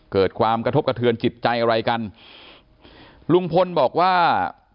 เกิดความกระทบกระเทือนจิตใจอะไรกันลุงพลบอกว่า